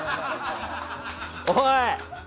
おい！